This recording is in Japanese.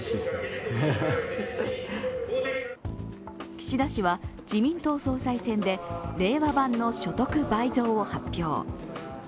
岸田氏は自民党総裁選で令和版の所得倍増を発表。